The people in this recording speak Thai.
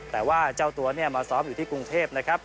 แต่ว่าเจ้าตัวเนี่ยมาซ้อมอยู่ที่กรุงเทพนะครับ